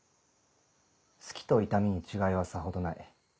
好きと痛みに違いはさほどない。